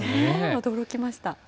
驚きました。